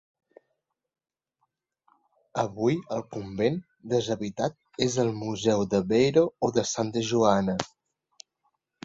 Avui el convent, deshabitat, és el Museu d'Aveiro o de Santa Joana.